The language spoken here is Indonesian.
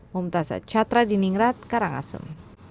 mementasat catra diningrat karangasem